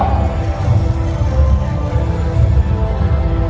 สโลแมคริปราบาล